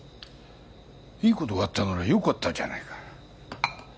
いいことがあったならよかったじゃないか